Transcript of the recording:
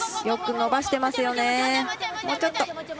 よく伸ばしてますよね。